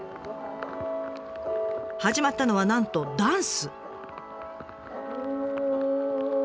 始まったのはなんとダンス。